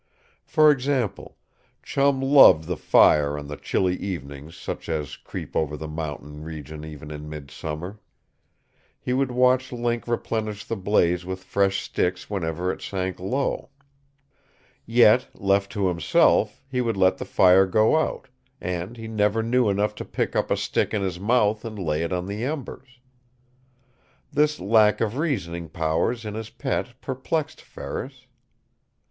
For example, Chum loved the fire on the chilly evenings such as creep over the mountain region even in midsummer. He would watch Link replenish the blaze with fresh sticks whenever it sank low. Yet, left to himself, he would let the fire go out, and he never knew enough to pick up a stick in his mouth and lay it on the embers. This lack of reasoning powers in his pet perplexed Ferris.